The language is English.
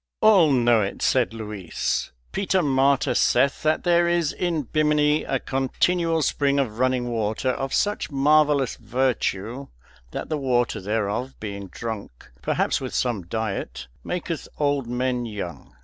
"All know it," said Luis. "Peter Martyr saith that there is in Bimini a continual spring of running water of such marvellous virtue that the water thereof, being drunk, perhaps with some diet, maketh old men young."